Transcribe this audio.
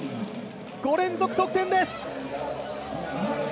５連続得点です。